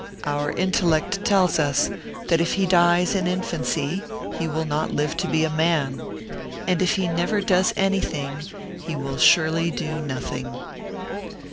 Our intellect tells us that if he dies in infancy he will not live to be a man ; and if he never does anything, he will surely do nothing.